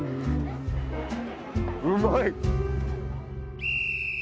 うまい！